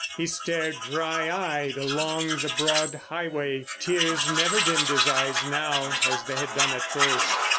He stared dry eyed along the broad highway. Tears never dimmed his eyes now, as they had done at first.